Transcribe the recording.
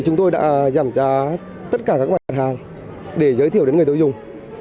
chúng tôi đã giảm giá tất cả các mặt hàng để giới thiệu đến người tiêu dùng